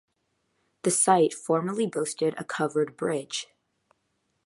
The site formerly boasted a covered bridge.